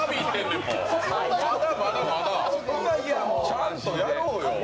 ちゃんとやろうよ！